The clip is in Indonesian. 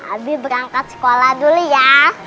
albi berangkat sekolah dulu ya